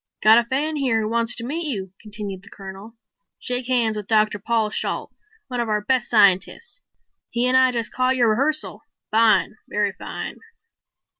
"Got a fan here who wants to meet you," continued the Colonel. "Shake hands with Dr. Paul Shalt, one of our base scientists. He and I just caught your rehearsal. Fine, very fine."